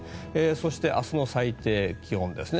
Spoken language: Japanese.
そして、明日の最低気温ですね。